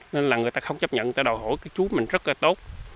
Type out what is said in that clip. nên là người ta không chấp nhận người ta đòi hỏi cái chuối mình rất là tốt